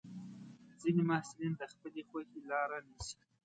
ځینې محصلین د خپلې خوښې لاره نیسي.